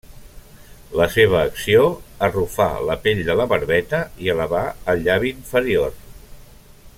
La seva acció: arrufar la pell de la barbeta i elevar el llavi inferior.